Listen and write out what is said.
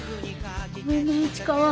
ごめんね市川。